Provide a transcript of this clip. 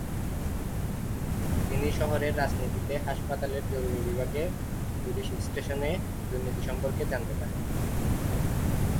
তিনি শহরের রাজনীতিতে, হাসপাতালের জরুরি বিভাগে, পুলিশ স্টেশনে দুর্নীতি সম্পর্কে জানতে পারেন।